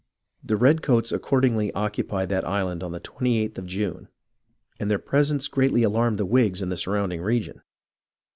The redcoats accordingly occupied that island on the 28th of June, and their presence greatly alarmed all the Whigs in the surrounding region.